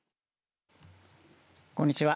こんにちは。